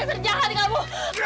desa jahat kamu